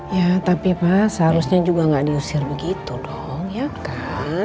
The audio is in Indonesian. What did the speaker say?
ya tapi mas seharusnya juga nggak diusir begitu dong ya kan